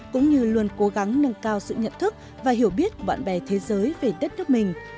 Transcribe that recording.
cũng như luôn cố gắng nâng cao sự nhận thức và hiểu biết của bạn bè thế giới về đất nước mình